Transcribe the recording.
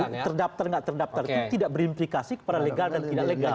kalau terdaftar tidak terdaftar itu tidak berimplikasi kepada legal dan tidak legal